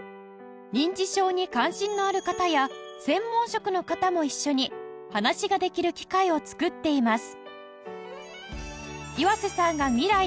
認知症に関心のある方や専門職の方も一緒に話ができる機会を作っています